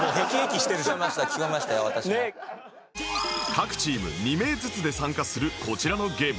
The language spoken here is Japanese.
各チーム２名ずつで参加するこちらのゲーム